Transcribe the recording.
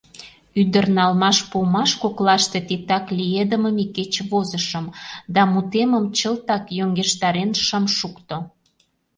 Ӱдыр налмаш-пуымаш коклаште титак лиедымым икече возышым, да мутемым чылтак йоҥгештарен шым шукто.